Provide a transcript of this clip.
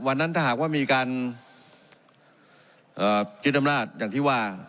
วันนั้นถ้าหากว่ามีการกิจดำราษณ์อย่างที่ว่า